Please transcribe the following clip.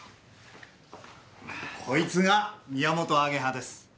こいつがミヤモトアゲハです。